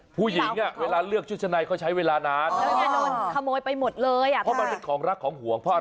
พวกผู้หญิงเวลาเลือกชุดชะนายเขาใช้เวลานาน